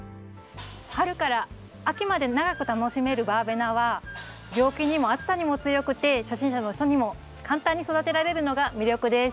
春から秋まで長く楽しめるバーベナは病気にも暑さにも強くて初心者の人にも簡単に育てられるのが魅力です。